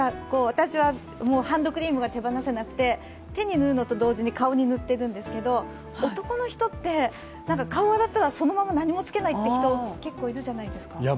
私はハンドクリームが手放させなくて手に塗るのと同時に顔に塗っているんですけど、男の人って顔を洗ったらそのまま何もつけないって人、結構いるじゃないですか。